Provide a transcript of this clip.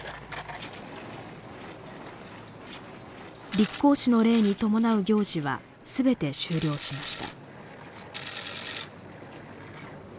「立皇嗣の礼」に伴う行事はすべて終了しました。